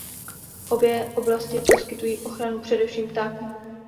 Obě oblasti poskytují ochranu především ptákům.